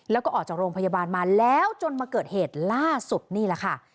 แล้วก็ออกจากโรงพยาบาลมาแล้วจนมาเกิดเหตุล่าสุดนี่แหละค่ะ